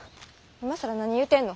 今更何言うてんの。